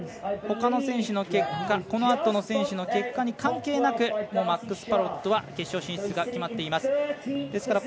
ほかの選手の結果このあとの選手の結果に関係なくマックス・パロットは決勝進出が決まっています。